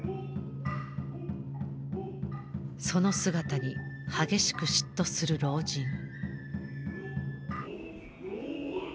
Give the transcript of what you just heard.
その姿に激しく嫉妬する老人。